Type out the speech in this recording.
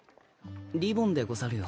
リボンでござるよ。